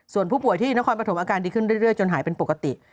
ส่วนผู้ป่วยที่นครปฐมอาการดีขึ้นเรื่อยจนหายเป็นปกติ